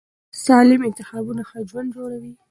سالم انتخابونه ښه ژوند جوړوي.